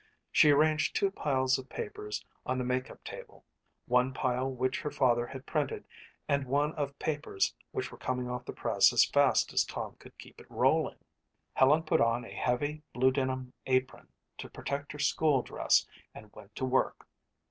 She arranged two piles of papers on the makeup table, one pile which her father had printed and one of papers which were coming off the press as fast as Tom could keep it rolling. Helen put on a heavy, blue denim apron to protect her school dress and went to work.